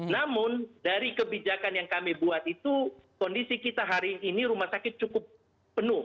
namun dari kebijakan yang kami buat itu kondisi kita hari ini rumah sakit cukup penuh